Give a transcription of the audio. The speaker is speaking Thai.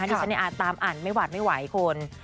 ที่ช่างแหน่งตามอ่านไม่หวัดไม่ไหวคุณ